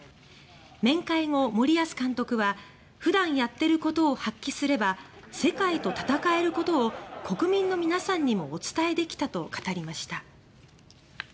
面会後、森保監督は「普段やってることを発揮すれば世界と戦えることを国民の皆さんにもお伝えできた」と語りました。